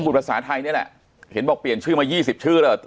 พูดภาษาไทยเนี้ยแหละเห็นบอกเปลี่ยนชื่อมายี่สิบชื่อแล้ว